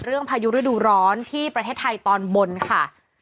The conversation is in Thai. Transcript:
พายุฤดูร้อนที่ประเทศไทยตอนบนค่ะ